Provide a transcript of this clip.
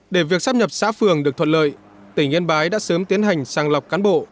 để việc sắp nhập xã phường được thuận lợi tỉnh yên bái đã sớm tiến hành sang lọc cán bộ